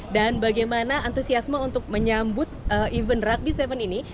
dan bagaimana antusiasme untuk menyambut event rugby seven ini